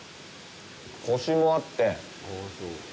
コシもあって。